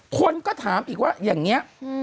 คนก็ถามอีกว่าอย่างนี้